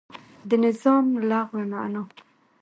د نظام لغوی معنا